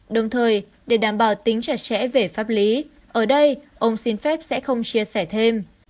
đồng thời để đảm bảo tính chặt chẽ về pháp lý ở đây ông xin phép sẽ không chia sẻ thêm